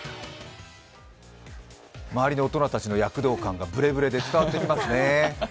周りの大人たちの躍動感がブレブレで伝わってきますね。